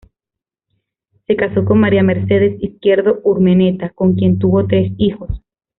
Se casó con María Mercedes Izquierdo Urmeneta, con quien tuvo tres hijos.